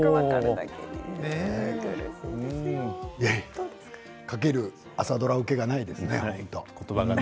いやかける朝ドラ受けがないですね、言葉がね。